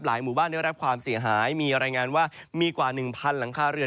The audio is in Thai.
หมู่บ้านได้รับความเสียหายมีรายงานว่ามีกว่า๑๐๐หลังคาเรือน